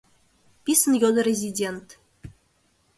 — писын йодо резидент.